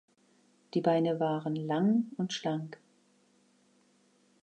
Die Beine waren lang und schlank.